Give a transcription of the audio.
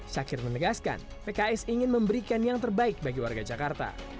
syakir menegaskan pks ingin memberikan yang terbaik bagi warga jakarta